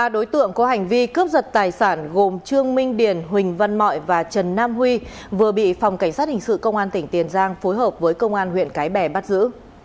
ba đối tượng có hành vi cướp giật tài sản gồm trương minh điền huỳnh văn mọi và trần nam huy vừa bị phòng cảnh sát hình sự công an tỉnh tiền giang phối hợp với công an huyện cái bè bắt giữ